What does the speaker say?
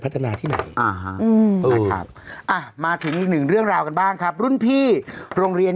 ฉันเห็นไปนั่งดูเลย